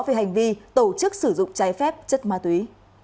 về hành vi tổ chức sử dụng trái phép chất ma túy